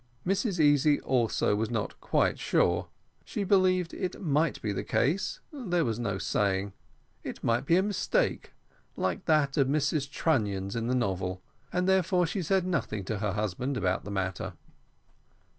Mrs Easy also was not quite sure she believed it might be the case, there was no saying; it might be a mistake, like that of Mrs Trunnion's in the novel, and, therefore, she said nothing to her husband about the matter.